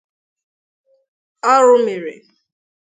Arụ mere